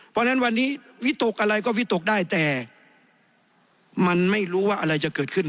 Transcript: เพราะฉะนั้นวันนี้วิตกอะไรก็วิตกได้แต่มันไม่รู้ว่าอะไรจะเกิดขึ้น